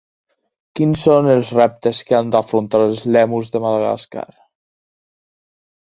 Quins són els reptes que han d'afrontar els lèmurs de Madagascar?